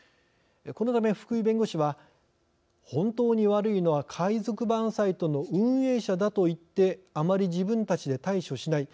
このため、福井弁護士は「本当に悪いのは海賊版サイトの運営者だと言ってあまり自分たちで対処しない。